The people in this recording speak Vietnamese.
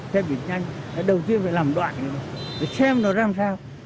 xe buýt nhanh đầu tiên phải làm đoạn để xem nó làm sao